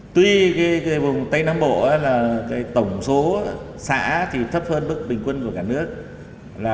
tuy vùng tây nam bộ là tổng số xã thì thấp hơn bức bình quân của cả nước là năm mươi tám